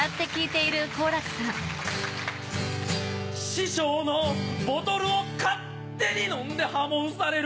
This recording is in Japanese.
師匠のボトルを勝手に飲んで破門される